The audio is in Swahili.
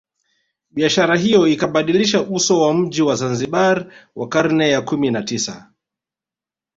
Biashara hiyo ikabadilisha uso wa mji wa Zanzibar wa karne ya kumi na tisa